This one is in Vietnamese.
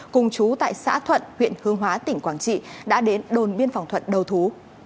cùng chú tại xã thuận huyện hương hóa tỉnh quảng trị đã đến đồn biên phòng thuận đầu thú